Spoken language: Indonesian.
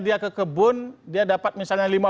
dia ke kebun dia dapat misalnya